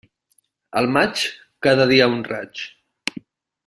Al maig, cada dia un raig.